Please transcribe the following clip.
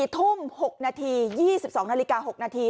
๔ทุ่ม๖นาที๒๒นาฬิกา๖นาที